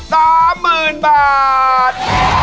สามหมื่นบาท